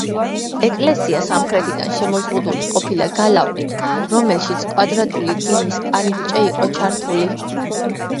ეკლესია სამხრეთიდან შემოზღუდული ყოფილა გალავნით, რომელშიც კვადრატული გეგმის კარიბჭე იყო ჩართული.